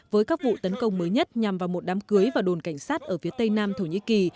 với các vụ tấn công mới nhất nhằm vào một đám cưới và đồn cảnh sát ở phía tây nam thổ nhĩ kỳ